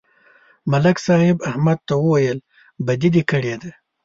ملک صاحب احمد ته وویل: بدي دې کړې ده